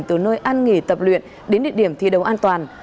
từ nơi ăn nghỉ tập luyện đến địa điểm thi đấu an toàn